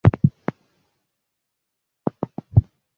আমার বিব্রতবোধ হচ্ছে।